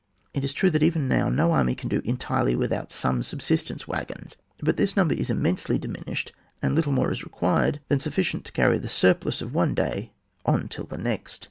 It is ixue that even now no army can do entirely without some subsistence wagons, but the number is immensely diimnished, and little more is required than sufficient to carry the surplus of one day on till the next.